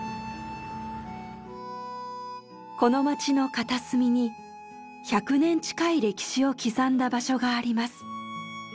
この街の片隅に１００年近い歴史を刻んだ場所があります。